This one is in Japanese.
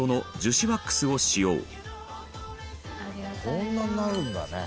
こんなになるんだね。